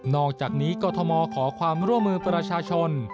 อกจากนี้กรทมขอความร่วมมือประชาชน